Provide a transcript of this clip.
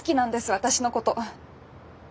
私のこと。